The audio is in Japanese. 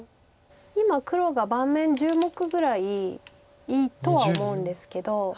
今黒が盤面１０目ぐらいいいとは思うんですけど。